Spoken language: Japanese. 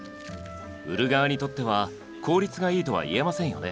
売る側にとっては効率がいいとは言えませんよね。